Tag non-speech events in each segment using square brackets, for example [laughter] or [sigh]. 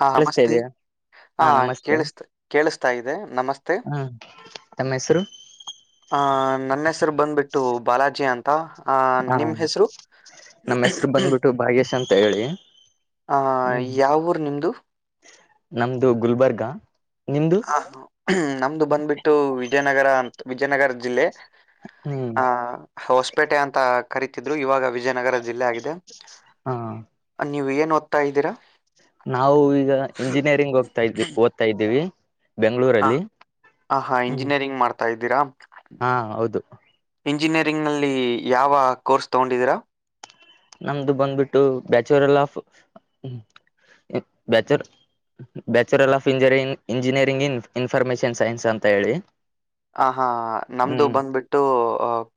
ಹಾ ಕೇಳಿಸ್ತಾ ಮಸ್ತೆ ಇದೆಯಾ ಹಾ ಕೇಳಿಸತ ಕೇಳಿಸ್ತಾ ಇದೆ ನಮಸ್ತೆ ಹ ತಮ್ಮ ಹೆಸರು ಆ ನನ್ನ ಹೆಸರು ಬಂದ್ಬಿಟ್ಟು ಬಾಲಾಜಿ ಅಂತ ಆ ಹ ನಿಮ್ಮ್ ಹೆಸರು ನಮ್ಮ ಹೆಸರು ಬಂದ್ಬಿಟ್ಟು ಭಾಗ್ಯಶ್ ಅಂತ ಹೇಳಿ ಹ್ಮ್ ಯಾವರು ನಿಮ್ಮದು ನಮ್ದು ಗುಲ್ಬರ್ಗಾ ಹ ನಮ್ದು ಬಂದ್ಬಿಟ್ಟು ವಿಜಯನಗರ ಅಂತ ವಿಜಯನಗರ ಜಿಲ್ಲೆ ಹ್ಮ್ ಹ ಹೊಸಪೇಟೆ ಅಂತ ಕರಿತಿದ್ರು ಇವಾಗ ವಿಜಯನಗರ ಜಿಲ್ಲೆ ಆಗಿದೆ ಹ ನೀವು ಏನ್ ಓದ್ತಾ ಇದ್ದೀರಾ ನಾವು ಈಗ ಇಂಜಿನಿಯರಿಂಗ್ ಹೋಗ್ತಾ ಇದ್ವಿ ಓದ್ತಾ ಇದ್ದೀವಿ ಹ ಬೆಂಗಳೂರಲ್ಲಿ ಹ ಹಾ ಹ್ಮ್ ಇಂಜಿನಿಯರಿಂಗ್ ಮಾಡ್ತಾ ಇದ್ದೀರಾ ಹಾ ಹೌದು ಇಂಜಿನಿಯರಿಂಗ್ ನಲ್ಲಿ ಯಾವ ಕೋರ್ಸ್ ತಗೊಂಡಿದೀರಾ ನಮ್ದು ಬಂದ್ಬಿಟ್ಟು bachelor of bachelor bachelor of ಇಂಜ ಇಂಜಿನಿಯರಿಂಗ್ ಇನ್ ಇನ್ಫಾರ್ಮೇಶನ್ ಸೈನ್ಸ್ ಅಂತ ಹೇಳಿ ಆ ಹಾ ನಮ್ದು ಹ್ಮ್ ಬಂದ್ಬಿಟ್ಟು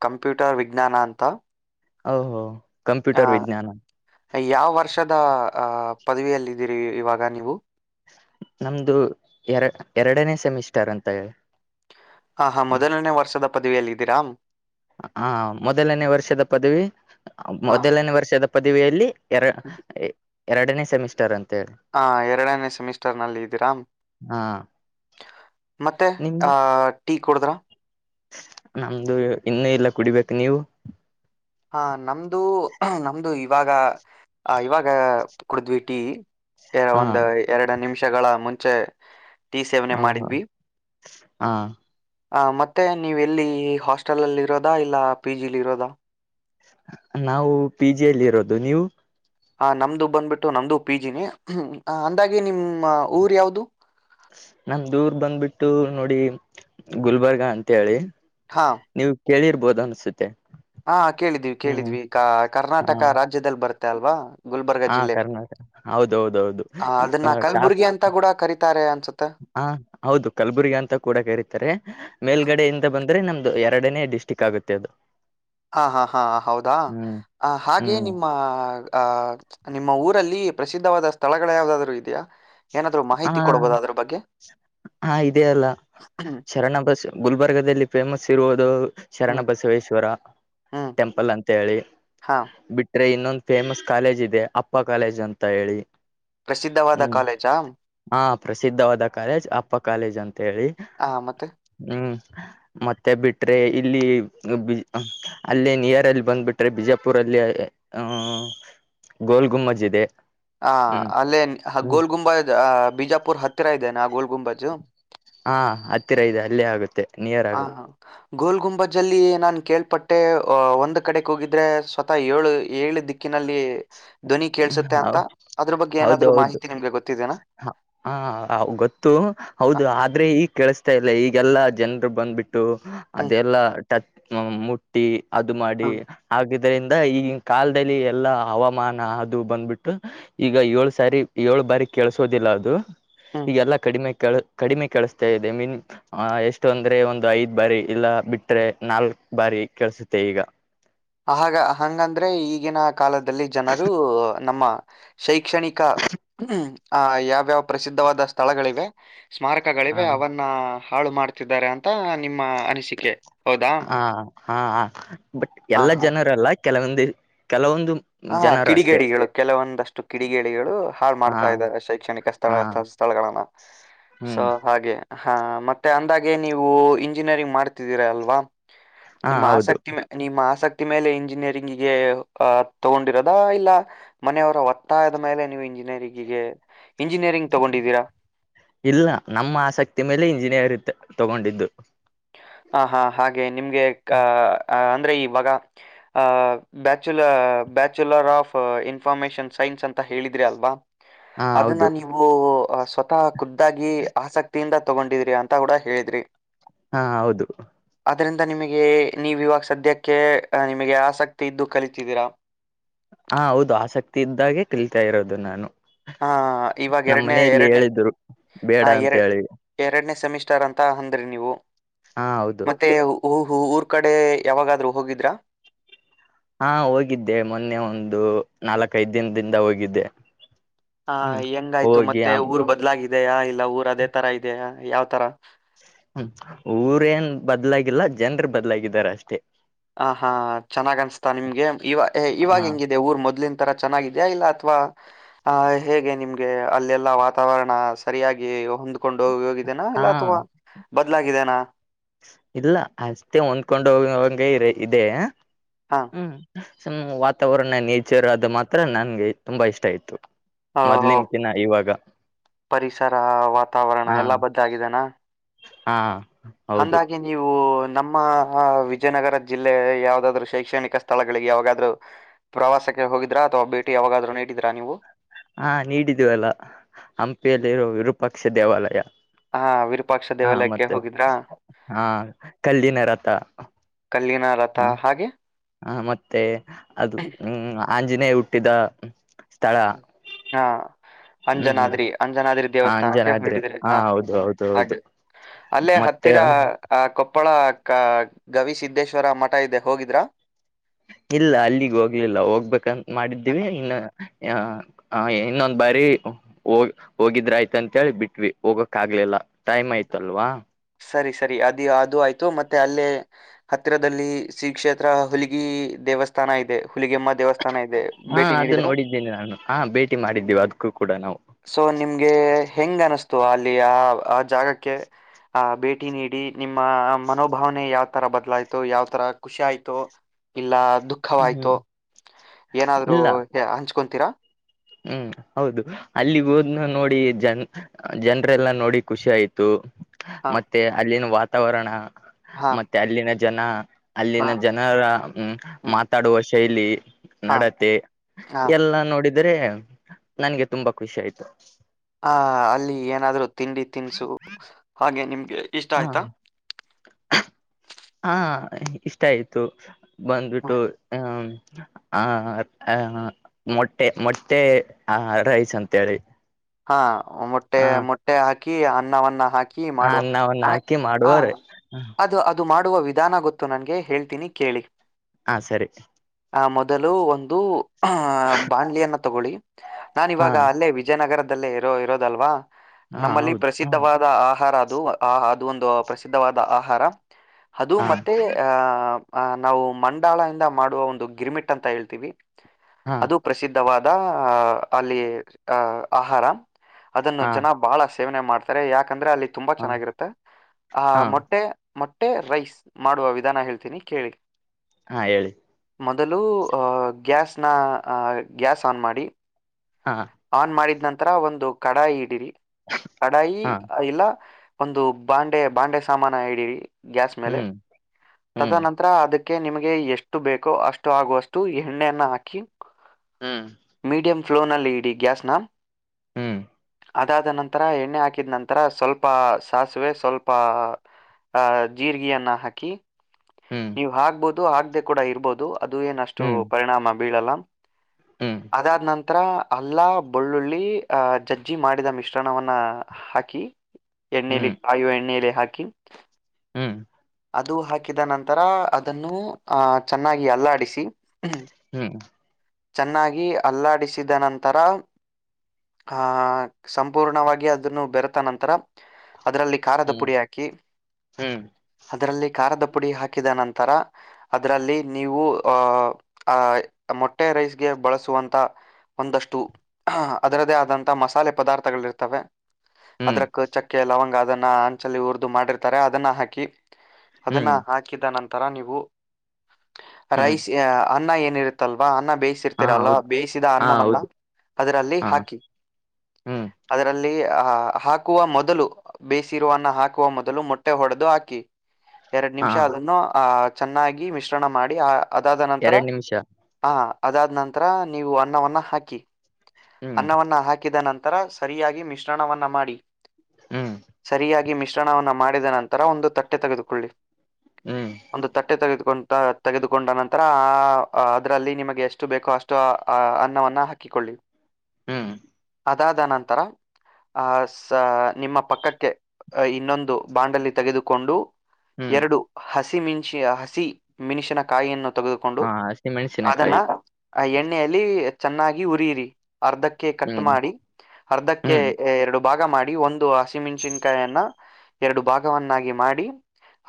ಕಂಪ್ಯೂಟರ್ ವಿಜ್ಞಾನ ಅಂತ ಓಹೋ ಆ ಕಂಪ್ಯೂಟರ್ ವಿಜ್ಞಾನ ಯಾವ ವರ್ಷದ ಅ ಪದವಿಯಲ್ಲಿದ್ದೀರಿ ಇವಾಗ ನೀವು ನಮ್ದು ಎರ ಎರಡನೇ ಸೆಮಿಸ್ಟರ್ ಅಂತ ಹೇಳಿ ಹ ಹಾ ಹ್ಮ್ ಮೊದಲನೇ ವರ್ಷದ ಪದವಿಯಲ್ಲಿ ಇದೀರಾಾಮ ಹ ಮೊದಲನೇ ವರ್ಷದ ಪದವಿ ಹಾ ಮೊದಲನೇ ವರ್ಷದ ಪದವಿಯಲ್ಲಿ ಎರ ಎರಡನೇ ಸೆಮಿಸ್ಟರ್ ಅಂತ ಹೇಳಿ ಹ ಎರಡನೇ ಸೆಮಿಸ್ಟರ್ ನಲ್ಲಿ ಇದ್ದೀರಾ ಹಾ ಮತ್ತೆ ನಿಮ್ದು ಆಹ ಟೀ ಕುಡುದ್ರ ನಮ್ದು ಇನ್ನುೂ ಇಲ್ಲ ಕುಡಿಬೇಕು ನೀವು ಹಾ ನಮ್ದು ನಮ್ದು ಇವಾಗ ಇವಾಗ ಕುಡಿದ್ವಿ ಟಿ ಕೆರ ಹಾ ಒಂದು ಎರಡು ನಿಮಿಷಗಳ ಮುಂಚೆ ಟಿ ಸೇವನೆ ಹ ಹ ಮಾಡಿದ್ವಿ ಹಾ ಹ ಮತ್ತೆ ನೀವೆ ಎಲ್ಲಿ ಹಾಸ್ಟೆಲ್ ಅಲ್ಲಿ ಇರೋದಾ ಇಲ್ಲ ಪಿ ಜಿಲಿ ಇರೋದಾ ನಾವು ಪಿ ಜಿಿಯಲ್ಲಿ ಇರೋದು ನೀವು ಹ ನಮ್ದು ಬಂದ್ಬಿಟ್ಟು ನಮ್ದು ಪಿ ಜಿನಿ ಹ ಅಂದಾಗಿ ನಿಮ್ಮ್ ಊರ್ ಯಾವ್ದು ನಮ ದೂರ್ ಬಂದ್ಬಿಟ್ಟು ನೋಡಿ ಗುಲ್ಬರ್ಗ ಅಂತ ಹೇಳಿ ಹಾ ನೀವು ಕೇಳಿರ್ಬೋದು ಅನ್ಸುತ್ತೆ ಹಾ ಕೇಳಿದ್ವಿ ಹ್ಮ್ ಕೇಳಿದ್ವಿ ಕ ಹ ಕರ್ನಾಟಕ ರಾಜ್ಯದಲ್ಲಿ ಬರ್ತ್ತೆ ಅಲ್ವಾ ಗುಲ್ಬರ್ಗ ಹಾ ಜಿಲ್ಲೆ ಕರ್ನಾಟಕ ಹೌದೌದೌದು ಹ ಅದನ್ನ ಟಾಪ್ ಕಲ್ಬುರ್ಗಿ ಅಂತ ಕೂಡ ಕರೀತಾರೆ ಅನ್ಸುತ್ತ ಹ ಹೌದು ಕಲಬುರ್ಗಿ ಅಂತ ಕೂಡ ಕರೀತಾರೆ ಮೇಲ್ಗಡೆಯಿಂದ ಬಂದ್ರೆ ನಮ್ದು ಎರಡನೇ ಡಿಸ್ಟಿಕ್ ಆಗುತ್ತೆ ಅದು ಹಾ ಹಾ ಹಾ ಹೌದಾ ಹ್ಮ್ ಆ ಹಾಗೆ ಹ್ಮ್ ನಿಮ್ಮ ಆ ನಿಮ್ಮ ಊರಲ್ಲಿ ಪ್ರಸಿದ್ಧವಾದ ಸ್ಥಳಗಳು ಯಾರಾದರೂ ಇದೆಯಾ ಏನಾದ್ರು ಹಾ ಮಾಹಿತಿ ಕೊಡ್ಬೋದ ಅದ್ರ ಬಗ್ಗೆ ಹಾ ಇದದೆ ಅಲ್ಲ ಹ್ಮ್ ಶರಣಬಸ ಗುಲ್ಬರ್ಗದಲ್ಲಿ ಫೇಮಸ್ ಇರುವುದು ಹ್ಮ್ ಶರಣಬಸವೇಶ್ವರ ಹ್ಮ್ ಟೆಂಪಲ್ ಅಂತ ಹೇಳಿ ಹಾ ಬಿಟ್ರೆ ಇನ್ನೊಂದ ನನ್ ಕಾಲೇಜಿದೆ, ಅಪ್ಪ ಕಾಲೇಜು ಅಂತ ಹೇಳಿ ಪ್ರಸಿದ್ಧವಾದ ಹ್ಮ್ ಕಾಲೇಜಾ ಹಾ ಪ್ರಸಿದ್ಧವಾದ ಕಾಲೇಜ್ ಅಪ್ಪ ಕಾಲೇಜ್ ಅಂತ ಹೇಳಿ ಹಾ ಮತ್ತೆ ಹ್ಮ್ ಮತ್ತೆ ಬಿಟ್ರೆ ಇಲ್ಲಿ ಅಲ್ಲೇ ನಿಯರ್ ಅಲ್ಲಿ ಬಂದ್ ಬಿಿಟ್ರೆ ಬಿಜಾಪುರಲ್ಲಿ ಹ್ಮ ಗೋಲ್ ಗುಮ್ಮಜ್ ಇದೆ ಹ ಹ್ಮ್ ಅಲ್ಲೇ ಹ್ಮ್ ಗೋಲ್ ಗುಂಬಾಜ್ ಬಿಜಾಪುರ್ ಹತ್ತಿರ ಇದೇನಾಾ ಗೋಲ್ ಗುಂ ಹಾ ಹತ್ತಿರ ಇದೆ ಅಲ್ಲೇ ಆಗುತ್ತೆ ನಿಯರ್ ಹಾ ಆಗುತ್ತೆ ಹಾ ಗೋಲ್ ಗುಂಬಜ್ಲ್ಲಿ ನಾನನ್ ಕೇಳ್ಪಟ್ಟೆ ಅಹ ಒಂದ್ ಕಡೆಗೆ ಹೋಗಿದ್ರೆ ಸ್ವತಃ ಏಳು ಏಳ ದಿಕ್ಕ ಬಕಿನಲ್ಲಿ ಧ್ವನಿ ಹ್ಮ ಕೇಳಸುತ್ತೆ ಹೌ ಅಂತ ಅದ್ರ ಬಗ್ಗೆ ಏನಾದ್ರು ಮಾಹಿತಿ ನಿಮ್ಗೆ ಗೊತ್ತಿದೆೇನಾ ಹ ಹ ಗೊತ್ತು ಹ, ಹೌದು ಆದ್ರೆ ಈಗ್ ಕೇಳಿಸತಾ ಇಲ್ಲ ಈಗೆಲ್ಲಾ ಜನ್ರು ಬಂದ್ಬಿಟ್ಟು ಟ್ಟ ಹ್ಮ್ ಅದೆಲ್ಲ ಮುಟ್ಟಿ ಅದು ಮಾಡಿ ಹ್ಮ್ ಆಗಿರದ್ರಿಂದ ಈಗಿನ ಕಾಲದಲ್ಲಿ ಎಲ್ಲಾ ಅವಮಾನ ಅದು ಬಂದ್ಬಿಟ್ಟು ಈಗ ಏಳ್ ಸಾರಿ ಏಳ್ ಬಾರಿ ಕೆೇಳಸೋದಿಲ್ಲ ಅದು ಹ್ಮ್ ಈಗಲ್ಲಾ ಕಡಿಮೆ ಕೆ ಕಡಿಮೆ ಕೇಳಿಸ್ತಾ ಇದೆ ಆ ಎಷ್ಟು ಅಂದ್ರೆ ಒಂದು ಐದ್ ಬಾರಿ ಇಲ್ಲ ಬಿಟ್ರೆ ನಾಲ್ಕ್ ಬಾರಿ ಕೆಳ್ಸುತ್ತೆ ಈಗ ಹಾ ಹಂಗಂದ್ರೆ ಈಗಿನ ಕಾಲದಲ್ಲಿ ಜನರು ನಮ್ಮ ಶೈಕ್ಷಣಿಕ ಯಾವ ಯಾವ ಪ್ರಸಿದ್ಧ ಸ್ಥಳಗಳಿವೆ ಹ ಮಾರಕಗಳಿದ್ದಾವೆ ಅವನು ಹಾಳು ಮಾಡುತ್ತಿದ್ದಾರೆ ಅಂತ ನಿಮ್ಮ ಅನಿಸಿಕೆ ಹೌದಾ ಹಾ ಹಾ ಬಟ್ ಹ ಎಲ್ಲ ಹಾ ಜನರಲ್ಲ ಕೆಲವೊಂದು ಕೆಲವೊಂದು ಹಾ ಜನರು ಅಷ್ಟೇ ಕಿಡಿಗೇಡಿಗಳು ಕೆಲವೊಂದಷ್ಟು ಕಿಡಿಗೇಡಿಗಳು ಹಾಳು ಹಾ ಮಾಡ್ತಾ ಇದ್ದಾರೆ ಶೈಕ್ಷಣಿಕ ಹಾ ಸ್ಳ ಸ್ಥಳಗಳಗಳನ್ನು ಸೊ ಹ್ಮ್ ಹಾಗೆ ಹಾ ಮತ್ತೆ ಅಂದಾಗೆ ನೀವು ಇಂಜಿನಿಯರಿಂಗ್ ಮಾಡುತ್ತೀರಿ ಅಲ್ವಾ ಹಾ ನಿಮ್ಮ ಹೌದು ನಿಮ್ಮ ಆಸಕ್ತಿ ಮೇಲೆ ಇಂಜಿನಿಯರಿಂಗ್ ಇದೆ ತಗೊಂಡಿರದಾ ಇಲ್ಲ ಮನೆಯವರ ಒತ್ತಾಯದ ಮೇಲೆ ನೀವು ಇಂಜಿನಿಯರಿಂಗಿಗೆ ಇಂಜಿನಿಯರಿಂಗ್ ತಗೊಂಡಿದ್ದೀರಾ ಇಲ್ಲ ನಮ್ಮ ಆಸಕ್ತಿ ಮೇಲೆ ಇಂಜಿನಿಯರ್ ಇ ತಗೊಂಡಿದ್ದು ಹ ಹಾ ಹಾಗೆ ನಿಮ್ಗೆ ಅಹ ಅಂದ್ರೆ ಇವಾಗ ಅಹ ಬ್ಯಾಚುಲ ಬ್ಯಾಚುಲರ್ ಇನ್ಫಾರ್ಮಶನ್ ಸೈನ್ಸ್ ಅಂತ ಹೇಳಿದ್ರಿ ಅಲ್ವಾ ಹಾ ಹೌದು ಅದನ್ನಾ ನೀ ನೀವು ಸ್ವತಃ ಖುದ್ದಾಗಿ ಆಸಕ್ತಿಯಿಂದ ತಗೊಂಡಿದ್ರಿ ಅಂತ ಕೂಡ ಹೇಳಿದ್ರಿ ಹಾ ಹೌದು ಅದರಿಂದ ನಿಮಗೆ ನೀವ ಇವಾಗ ಸದ್ಯಕ್ಕೆ ನಿಮಗೆ ಆಸಕ್ತಿ ಇದ್ದು ಕಲಿತಿದ್ದೀರಾ ಹಾ ಹೌದು ಆಸಕ್ತಿ ಇದ್ದಾಗೆ ಕಲಿತಾ ಇರುವುದು ನಾನು ಆ, ಇವಾಗ ನಮ್ಮ ಎರಡನೇ ಮನೆಯಲ್ಲಿ ಎರಡನೇ ಹೇಳಿದ್ರು ಬೇಡ ಆ, ಅಂತ ಎರಡ್ ಹೇಳಿ ಎರಡನೇ ಸೆಮಿಸ್ಟರ್ ಅಂತ ಅಂದ್ರಿ ನೀವು ಹಾ ಹೌದು ಮತ್ತೆ ಓ್ಹ್ ಊರ್ ಕಡೆ ಯಾವಾಗಾದ್ೂ ಹೋಗಿದ್ರಾ ಹಾ ಹೋಗಿದ್ದೆ ಮೊನ್ನೆ ಒಂದು ನಾಲ್ಕ ಐದು ದಿನದಿಂದ ಹೋಗಿದ್ದೆ ಹ ಹ್ಮ್ ಹೆಂಗಾಯ್ತು ಹೋಗಿ ಮತ್ತೆ ಊರ್ ಬದ್ಲಾಗಿದೆಯಾ ಇಲ್ಲ ಊರ್ ಅದೇ ತರ ಇದೆಯಾ ಯಾವ್ತರ ಹ್ಮ ಊರೇಏನ್ ಬದ್ಲಾಗಿಲ್ಲ ಜನ್ರು ಬದ್ಲಾಗಿದಾರ ಅಷ್ಟೇ ಹ ಹಾ ಚೆನ್ನಾಗ್ ಅನ್ಸ್್ತಾ ನಿಮ್ಗೆ ಇವ ಹ ಇವಾಗ ಹೆಂಗ ೇ ಊರು ಮೊದ್ಲಿನ ತರ ಚೆನ್ನಾಗಿದೆಯಾ ಇಲ್ಲ ಅಥವಾ ಆ ಹೇಗೆ ನಿಮ್ಗೆ ಅಲ್ಲೆಲ್ಲಾ ವಾತಾವರಣ ಸರಿಯಾಗಿ ಹೊಂದು ಕೊಂಡು ಹೋಗಿ ಹೋಗಿದ್ದೇನಾ ಹಾ ಇಲ್ಲ ಅಥವಾ ಬದ್ಲಾಗಿದನಾ ಇಲ್ಲ ಅಷ್ಟೇ ಹೊಂದ್ಕೊಂಡ ಹೋಗುವಂ ಇ ಇದೆ ಹಾ ಹ್ಮು ವಾತಾವರಣ ನೇಚರ್ ಅದು ಮಾತ್ರ ನನ್ಗೆ ತುಂಬಾ ಇಷ್ಟ ಆಯತು ಓಹೋ ಮೊದ್ಲಿನ ದಿನ ಇವಾಗ ಪರಿಸರ ವಾತಾವರಣ ಹಾ ಎಲ್ಲಾ ಬದ್ದ ಆಗಿದೆನಾ ಹಾ ಹೌದು ಹಾಗಿ ನೀ ನೀವು ನಮ್ಮ ವಿಜಯನಗರ ಜಿಲ್ಲೆ ಯಾವದಾದ್ರು ಶೈಕ್ಷಣಿಕ ಸ್ಥಳಗಳಿಗೆ ಯಾವಾಗಾದ್ರು ಪ್ರವಾಸಕ್ಕೆ ಹೋಗಿದ್ರಾ ಅಥವಾ ಭೇಟಿ ಯಾವಾಗಾದ್ೂ ನೀಡಿದೀ್ರಾ ನೀವು ಹಾ ನೀಡಿದು ಅಲ್ಲ ಹಂಪಿಯಲ್ಲಿರೋ ವಿರೂಪಾಕ್ಷ ದೇವಾಲಯ ಹಾ ವಿರೂಪಾಕ್ಷ ಹಾ ದೇವಾಲಯಕ್ಕೆ ಮತ್ತೆ ಹೋಗಿದ್ರಾ ಹಾ ಕಲ್ಲಿನ ರಥ ಕಲ್ಲಿನ ರಥ ಹಾ ಹಾಗೆ ಹ ಮತ್ತೆ ಅದು ಹ್ಮ ಊ ಹಾ ಆಂಜನೇಯ ಹುಟ್ಟಿದ ಸ್ಥಳ ಹಾ ಹ್ಮ್ ಹ್ಮ್ ಅಂಜನಾದ್ರಿ ಅಂಜನಾದ್ರಿ ದೇವಸ್ಥಾನಕ್ಕೆ ಭೇಟಿ ಅಂಜನಾದ್ರಿ ನೀಡಿ ಹಾ ದೃ ಹೌದು ಹ ಹೌದು ಹೌದು ಹಾಗೆ ಅಲ್ಲೇ ಮತ್ತೆ ಹತ್ತಿರ ಆ ಕೊಪ್ಪಳ ಕ ಗವಿಸಿದ್ದೇಶ್ವರ ಮಠ ಇದೆ ಹೋಗಿದ್ರಾ ಇಲ್ಲ ಅಲ್ಲಿಗ್ ಹೋಗ್ಲಿಲ್ಲ ಹೋಗ್ಬೇಕಂತ ಮಾಡಿದ್ದೀವಿ ಇನ್ನು ಏನೋ ಹ ಇನ್ನೊಂದ್ ಬಾರಿ ಹೋಗ ಹೋಗಿದ್ರ ಆಯ್ತ ಅಂತೇಳಿ ಬಿಟ್ವಿ ಹೋಗಕ್ ಆಗ್ಲಿಲ್ಲ ಟೈಮ್ ಆಯ್ತಲ್ವಾ ಸರಿ ಸರಿ ಅದು ಅದು ಆಯ್ತು ಮತ್ತೆ ಅಲ್ಲೇ ಹತ್ತಿರದಲ್ಲಿ ಶ್ರೀ ಕ್ಷೇತ್ರ ಹುಲಗಿ ದೇವಸ್ಥಾನ ಇದೆ ಹುಲಗಮ್ಮ ದೇವಸ್ಥಾನ ಇದೆ ಹಾ ಭೇಟಿ ಅದು ನೀಡಿದ್ರು ನೋಡಿದ್ದೇನೆಿ ನಾನು ಹಾ ಭೇಟಿ ಮಾಡಿದ್ದೇವ ಅದ್ಕ್ಕೂ ಕೂಡ ನಾವು ಸೊ ನಿಮ್ಗೆ ಹೆಂಗ್ ಅನಸ್ತು ಅಲ್ಲಿ ಆ ಆ ಜಾಗಕ್ಕೆ ಆಹ ಭೇಟಿ ನೀಡಿ ನಿಮ್ಮ ಮನೋಭಾವನೆ ಯಾವ್ತರ ಬದಲಾಯ್ತು ಯಾವತರ ಖುಷಿ ಆಾಯ್ತು ಇಲ್ಲ ದುಃಖವಾಯ್ತು ಹ್ಮ್ ಏನಾದ್ರೂ ಇಲ್ಲ ಹಂಚ್ಕೊತೀರಾ ಹ್ಮ್ ಹೌದು ಅಲ್ಲಿಗೆ ಹೋದ್ನ ನೋಡಿ ಜನ್ ಜನ್ರೆಲ್ಲಾ ನೋಡಿ ಖುಷಿ ಆಯ್ತು ಹಾ ಮತ್ತೆ ಅಲ್ಲಿನ ವಾತಾವರಣ ಹಾ ಮತ್ತೆ ಅಲ್ಲಿನ ಜನ ಅಲ್ಲಿನ ಮತ್ ಜನ ಅ ಆ ಹ್ಮ್ ಮಾತಾಡುವ ಶೈಲಿ ಹಾ ನಡತೆ ಹಾ ಎಲ್ಲಾ ನೋಡಿದ ಇದ್ರ ನನ್ಗೆ ತುಂಬಾ ಖುಷಿ ಆಯ್ತು ಆ ಅಲ್ಲಿ ಏನಾದ್ರು ತಿಂಡಿ ತಿನ್ಸು ಹಾಗೆ ನಿಮ್ಗೆ ಇಷ್ಟ ಹ ಆಯ್ತಾ ಹಾ ಇಷ್ಟ ಆಯ್ತು ಬಂದ್ಬಿಟ್ಟು ಹ ಹ ಹಾ ಮೊಟ್ಟೆ ಮೊಟ್ಟೆ ಆ ರೈಸ್ ಅಂತೇಳಿ ಹಾ ಮೊಟ್ಟೆ ಹ ಮೊಟ್ಟೆ ಹಾಕಿ ಅನ್ನವನ್ನ ಹಾಕಿ ಹೀ ಹ ಮಾಡುವ ಅನ್ನವನ್ನ ಹ ಹಾಕಿ ಮಾಡುವರೆ ಅದು ಅದು ಅದು ಮಾಡುವ ವಿಧಾನ ಗೊತ್ತು ನನ್ಗೆ ಹೇಳ್ತೀನಿ ಕೇಳಿ ಹ ಸರಿ. ಆ ಮೊದಲು ಒಂದು ಆಹ ಬಾಣ್ಲಿಯನ್ನ ತಗೊಳ್ಳಿ ನಾನ ಹಾ ಇವಾಗ ಅಲ್ಲೇ. ಜಯನಗರದಲ್ಲಿ ಇರೋ ಇರೋದಲ್ವಾ ಹಾ ನಮ್ಮಲ್ಲಿ ಹೌದು ಹೌದು ಪ್ರಸಿದ್ಧವಾದ ಆಹಾರ ಅದು ಆ. ಇದು ಒಂದು ಪ್ರಸಿದ್ಧವಾದ ಆಹಾರ ಅದು ಹಾ ಮತ್ತೆ ಆ ಅ ನಾವು ಮಂಡಾಳ ಇಿಂದ ಮಾಡುವ ಒಂದು ಗಿರಿಮಿಟ್ ಅಂತ ಹೇಳ್ತೀವಿ. ಹಾ ಅದು ಪ್ರಸಿದ್ಧವಾದ ಅಹ ಅಲ್ಲಿ ಅಹ್ ಆಹಾರ. ಅದನ್ನು ಹಾ ಜನ ಬಹಳ ಸೇವನೆ ಮಾಡ್ತಾರೆ ಯಾಕಂದ್ರೆ ಅಲ್ಲಿ ತುಂಬಾ ಹಾ ಚೆನ್ನಾಗಿರುತ್ತೆ ಆಹ ಹಾ ಮೊಟ್ಟೆ. ಮೊಟ್ಟೆ ರೈಸ್ ಮಾಡುವ ವಿಧಾನ ಹೇಳ್ತೀನಿ ಕೇಳಿ. ಹಾ ಹೇಳಿ ಮೊದಲು ಗ್ಯಾಸ್ನ ಗ್ಯಾಸ್ ಆನ್ ಮಾಡಿ ಹಾ ಆನ್ ಮಾಡಿದ್ ನಂತರ ಒಂದು ಕಡಾಯಿ ಇಡಿರಿ ಕಡಾಯಿ ಹಾ ಇಲ್ಲ. ಒಂದು ಬಾಂಡೆ ಬಾಂಡೆ ಸಾಮಾನ ಇಡಿರಿ ಗ್ಯಾಸ್ ಮೇಲೆ ಹ್ಮ್ ಹ್ಮ್ ತದನಂತರ ಅದಕ್ಕೆ ನಿಮಗೆ ಎಷ್ಟು ಬೇಕೋ ಅಷ್ಟು ಆಗುವಷ್ಟು ಎಣ್ಣೆಯನ್ನು ಹಾಕಿ ಹ್ಮ್ ಮೀಡಿಯಂ ಫ್ಲೋನಲ್ಲಿ ಇಡಿ ಗ್ಯಾಸ್ನ ಹ್ಮ್ ಅದಾದ ನಂತರ ಎಣ್ಣೆ ಹಾಕಿದ ನಂತರ ಸ್ವಲ್ಪ ಸಾಸಿವೆ ಸ್ವಲ್ಪ. ಆ ಜೀರಿಗೆಯನ್ನ ಹಾಕಿ ಹ್ಮ್ ನೀವು್ ಹಾಕಬವುದು ಹಾಕದೆ ಕೂಡ ಇರ್ಬೋದು ಅದು ಏನಷ್ಟು ಪರಿಣಾಮ ಬೀಳಲ್ಲ. ಹ್ಮ್ ಅದಾದ ನಂತರ ಅಲ್ಲಾ ಬಳ್ಳುಳ್ಳಿ ಲಿ... ಅ ಜಜ್ಜಿ ಮಾಡಿದ ಮಿಶ್ರಣವನ್ನ ಹಾಕಿ..... ಎಣ್ಣಲಿ. ಹ್ಮ್ ಕಾಯುವ ಎಣ್ಣಲೆ ಹಾಕಿ ಹ್ಮ್ ಅದು ಹಾಕಿ ಹಾಕಿದ ನಂತರ ಅದನ್ನು ಅಹ ಚೆನ್ನಾಗಿ ಅಲ್ಲಾಡಿಸಿ ಹ್ಮ ಹ್ಮ್ ಚೆನ್ನಾಗಿ ಅಲ್ಲಾಡಿಸಿದ ನಂತರ. ಆಹ ಸಂಪೂರ್ಣವಾಗಿ ಅದನ್ನು ಬೆರೆತ ನಂತರ... ಅದರಲ್ಲಿ ಖಾರದ ಪುಡಿ ಹ್ಮ್ ಹಾಕಿ... ಹ್ಮ್ ಅದರಲ್ಲಿ ಖಾರದ ಪುಡಿ ಹಾಕಿದ ನಂತರ. ಅದ್ರಲ್ಲಿ ನೀವು ಆಹ ಆಹ ಮೊಟ್ಟೆ ರೈಸ್ಗೆ ಬಳಸುವಂತ. ಒಂದಷ್ಟು ಅದರದೇ ಆದಂತ ಮಸಾಲೆ ಪದಾರ್ಥಗಳ ಇರ್ತವೆ. ಹ್ಮ್ ಅದ್ರಕ್ಕ ಚಕ್ಕೆ ಲವಂಗ ಅದನ್ನ ಹಂಚಲ್ಲಿ ಉರಿದು ಮಾಡಿರ್ತಾರೆ ಅದನ್ನ ಹಾಕಿ. ಅದನ್ನ ಹ್ಮ್ ಹ್ಮ್ ಹಾಕಿದ ನಂತರ ನೀವು ಹ್ಮ್ ರೈಸ್ ಅನ್ನ ಏನಿರುತ್ತೆ ಅಲ್ವಾ ಅನ್ನ ಹಾ ಬೇಯಿಸಿರ್ತೀರಲ್ಲ ಹೌದು ಬೇಯಿಸಿದ ಹಾ ಅನ್ನ ವನ್ನ ಹೌದು ಅದರಲ್ಲಿ ಹಾ ಹಾಕಿ... ಹ್ಮ್ ಅದರಲ್ಲಿ ಅಹ ಹಾಕುವ ಮೊದಲು ಬೇಯಸಿರುವ ಅನ್ನ ಹಾಕುವ ಮೊದಲು ಮೊಟ್ಟೆ ಹೊಡೆದು ಹಾಕಿ. ಎರಡ್ ಹಾ ನಿಮಿಷ ಅದನ್ನು ಆಹ ಚೆನ್ನಾಗಿ ಮಿಶ್ರಣ ಮಾಡಿ ಆ ಅದಾದ ನಂತರ ಎರಡ್ ನಿಮಿಷ ಹ ಅದಾದ ನಂತರ ನೀವು ಅನ್ನವನ್ನ ಹಾಕಿ. ಹ್ಮ್ ಅನ್ನವನ್ನ ಹಾಕಿದ ನಂತರ ಸರಿಯಾಗಿ ಮಿಶ್ರಣವನ್ನ ಮಾಡಿ. ಹ್ಮ್ ಸರಿಯಾಗಿ ಮಿಶ್ರಣವನ್ನು ಮಾಡಿದ ನಂತರ ಒಂದು ತಟ್ಟೆ ತೆಗೆದುಕೊಳ್ಳಿ. ಹ್ಮ್ ಒಂದ ತಟ್ಟೆ ತೆಗೆದುಕೊಂಡತಾ. ತೆಗೆದುಕೊಂಡ ನಂತರ ಆ ಅದರಲ್ಲಿ ನಿಮಗೆ ಎಷ್ಟು ಬೇಕೋ ಅಷ್ಟು ಅನ್ನವನ್ನ ಹಾಕಿಕೊಳ್ಳಿ. ಹ್ಮ ಅದಾದನಂತರ. ಆಹ ನಿಮ್ಮ ಪಕ್ಕಕ್ಕೆ ಇನ್ನೊಂದು ಬಾಂಡಲಿ ತೆಗೆದುಕೊಂಡು. ಹ್ಮ್ ಎರಡು ಹಸಿಮಿಶಿ ಹಸಿ ಮಿಣಿಶಿನ ಕಾಯಿಯನ್ನು. ತೆಗೆದುಕೊಂಡು ಹಾ ಅದನ್ನ ಹಸಿಮೆಣಸಿನಕಾಯಿ ಎಣ್ಣೆಯಲ್ಲಿ ಚೆನ್ನಾಗಿ ಉರಿಯಿರಿ ಅರ್ಧಕ್ಕೆ ಕಟ್ ಹ್ಮ್ ಮಾಡಿ ಅರ್ಧಕ್ಕೆ ಹ್ಮ್ ಎರಡು ಭಾಗ ಮಾಡಿ ಒಂದು ಹಸಿಮೆಣಚಿನ್ಕಾಯನ್ನ ಎರಡು ಭಾಗವನ್ನಾಗಿ ಮಾಡಿ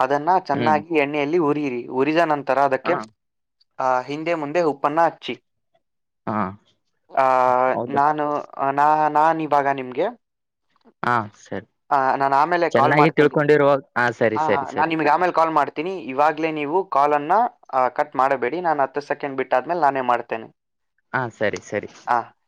ಅದನ್ನ ಹ್ಮ್ ಚೆನ್ನಾಗಿ ಎಣ್ಣೆಯಲ್ಲಿ ಉರಿಯಿರಿ ಉರಿದ ನಂತರ ಅದಕ್ಕೆ ಹಾ ಆ ಹಿಂದೆ ಮುಂದೆ ಉಪ್ಪನ್ನ ಹಚ್ಚಿ ಹಾ ಆ ಹೌದಾ ನಾನು ನಾ ನಾನ್ ಇವಾಗ ನಿಮ್ಗೆ ಹಾ ಸರಿ ಹ ನಾನನ್ ಆಮೇಲೆ ಕಾಲ್ ಚೆನ್ನಾಗಿ ಮಾಡ್ತೇನೆಿ ತಿಳ್ಕೊಂಡಿರುವ ಹಾ ಸರಿ ಹ ಸರಿ ನಾನ್ ಸರಿ ನಿಮಗೆ ಆಮೇಲೆ ಕಾಲ್ ಮಾಡ್ತೇಿ ನಿ ಇವಾಗ್ಲೇ ನೀವು ಕಾಲನ್ನು ಕಟ್ ಮಾಡಬೇಡಿ ನಾನು ಹತ್ತು ಸೆಕೆಂಡ್ ಬಿಟ್ಟಾದ್ಮೇಲೆ ನಾನೇ ಮಾಡ್ತೇನೆ [unintelligible] ಹಾ ಸರಿ ಸರಿ [unintelligible] ಹಾ